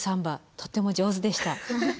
とっても上手でした。